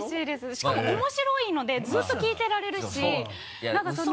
しかも面白いのでずっと聞いてられるしなんかその。